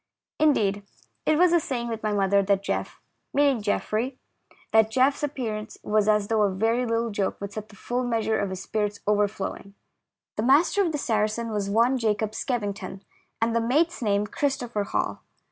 Indeed it was a saying with my mother that " Geff," — meaning Geoffrey — that Geff's appearance I SAIL IN THE SARACEN. 3 was as though a very Httle joke would set the full measure of his spirits overflowing." The master of the Saracen was one Jacob Skevington, and the mate's name Christopher Hall.